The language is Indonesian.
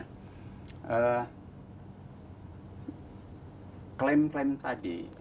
nah klaim klaim tadi